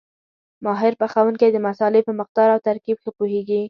ماهر پخوونکی د مسالې په مقدار او ترکیب ښه پوهېږي.